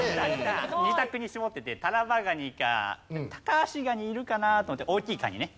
２択に絞っててタラバガニかタカアシガニいるかなと思って大きいカニね。